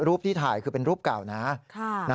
รูปที่ถ่ายคือเป็นรูปเก่านะ